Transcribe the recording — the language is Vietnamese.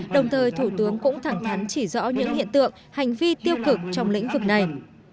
đồng thời thủ tướng cũng thẳng thắn chỉ rõ những hiện tượng hành vi tiêu cực trong lĩnh vực này